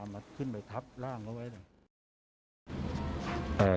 มันขึ้นไปทับร่างเขาไว้หน่อย